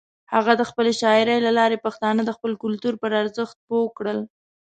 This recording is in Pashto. هغه د خپلې شاعرۍ له لارې پښتانه د خپل کلتور پر ارزښت پوه کړل.